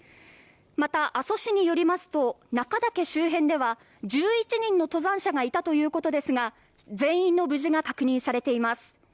また、阿蘇市によりますと中岳周辺では１１人の登山者がいたということですが全員の無事が確認されています。